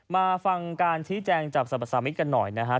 มาฟังการชี้แจงจากสรรพสามิตรกันหน่อยนะฮะ